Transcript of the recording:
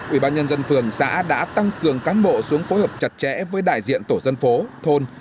ubnd phường xã đã tăng cường cán bộ xuống phối hợp chặt chẽ với đại diện tổ dân phố thôn